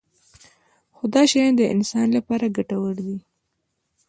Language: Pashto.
خو دا شیان د انسان لپاره ګټور دي.